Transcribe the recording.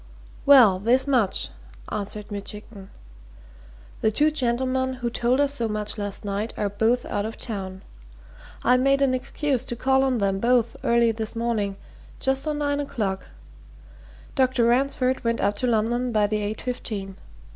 "Well, this much," answered Mitchington. "The two gentlemen who told us so much last night are both out of town. I made an excuse to call on them both early this morning just on nine o'clock. Dr. Ransford went up to London by the eight fifteen.